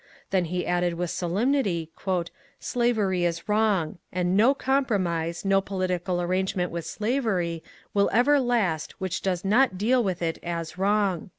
Then he added with solemnity, '^ Slavery is wrong ; and no compromise, no political arrangement with slavery, will ever last which does not deal with it as wrong."